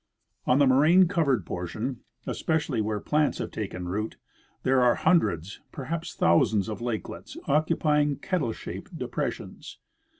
On the moraine covered portion, especially where plants have taken root, there are hundreds, perhaps thousands, of lakelets occupying kettle shaped depressions.